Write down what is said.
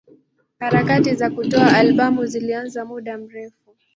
Harakati za kutoa albamu zilianza muda mrefu.